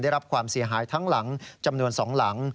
ได้รับความเสียหายทั้งหลังจำนวน๒หลัง